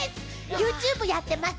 ＹｏｕＴｕｂｅやってます。